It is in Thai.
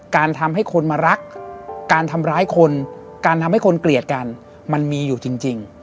การทำให้คนมารักการทำร้ายคนการทำให้คนเกลียดกันมันมีอยู่จริง